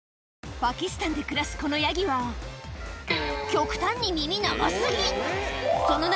パキスタンで暮らすこのヤギは極端に耳長過ぎ！